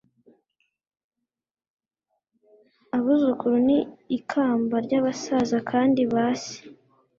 Abuzukuru ni ikamba ry abasaza Kandi ba se